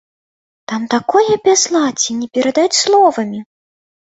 Там такое бязладдзе, не перадаць словамі!